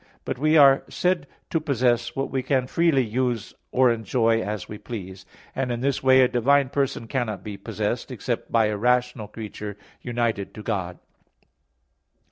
But we are said to possess what we can freely use or enjoy as we please: and in this way a divine person cannot be possessed, except by a rational creature united to God.